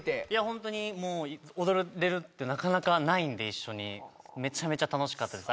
ホントに踊れるってなかなかないんで一緒にめちゃめちゃ楽しかったです